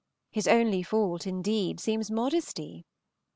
His only fault, indeed, seems modesty.